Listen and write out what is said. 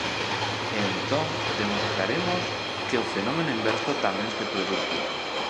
E entón demostraremos que o fenómeno inverso tamén se produce.